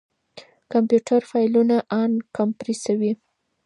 کمپيوټر فايلونه اَنکمپريسوي.